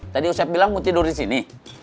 tadi usep bilang mau tidur disini